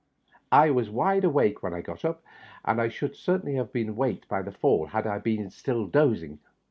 I was wide awake when I got np, and I shonld certainly have been waked by the fall had I still been dozing.